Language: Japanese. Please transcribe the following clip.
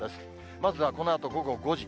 まずはこのあと午後５時。